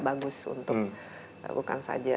bagus untuk bukan saja